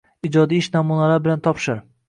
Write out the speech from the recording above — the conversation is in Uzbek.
Ijodiy ish namunalari bilan topshir.